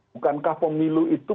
bukankah pemilu itu